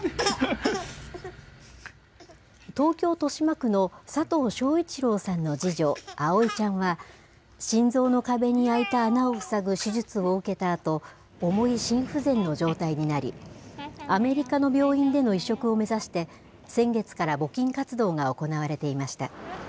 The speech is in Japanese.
東京・豊島区の佐藤昭一郎さんの次女、葵ちゃんは、心臓の壁に開いた穴を塞ぐ手術を受けたあと、重い心不全の状態になり、アメリカの病院での移植を目指して、先月から募金活動が行われていました。